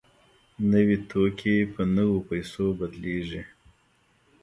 نوي توکي په نویو پیسو بدلېږي